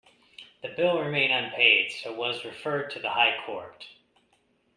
The bill remained unpaid so was referred to the high court.